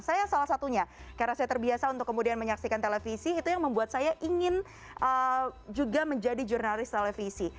saya salah satunya karena saya terbiasa untuk kemudian menyaksikan televisi itu yang membuat saya ingin juga menjadi jurnalis televisi